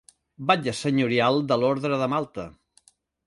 Batlle senyorial de l'Orde de Malta.